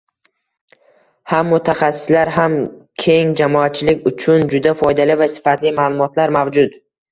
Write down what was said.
Ham mutaxassislar, ham keng jamoatchilik uchun juda foydali va sifatli ma'lumotlar mavjud